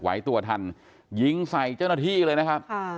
ไหวตัวทันยิงใส่เจ้าหน้าที่เลยนะครับ